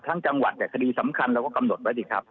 จังหวัดแต่คดีสำคัญเราก็กำหนดไว้ดิครับ